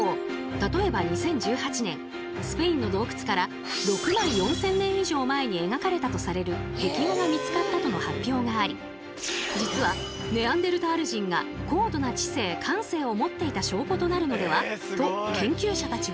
例えば２０１８年スペインの洞窟から６万４，０００年以上前に描かれたとされる壁画が見つかったとの発表があり実はネアンデルタール人が高度な知性・感性を持っていた証拠となるのでは？と研究者たちは騒然。